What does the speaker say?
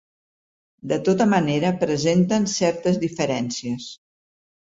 De tota manera presenten certes diferències.